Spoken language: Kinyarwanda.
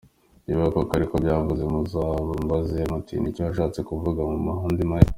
Ati “Niba koko ariko byavuze, muzamubaze muti ‘ni iki washatse kuvuga’, mumuhe andi mahirwe.